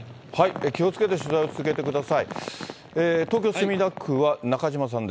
気をつけて取材を続けてください。